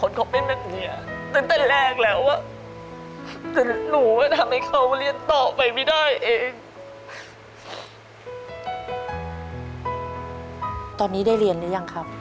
ตอนนี้ได้เรียนหรือยังครับ